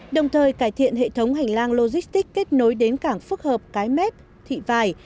đồng thời cải thiện hệ thống hành lang logistic kết nối đến cảng phức hợp cái mép thị vài